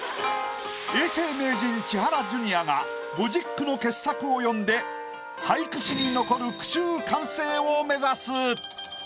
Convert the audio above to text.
永世名人千原ジュニアが５０句の傑作を詠んで俳句史に残る句集完成を目指す。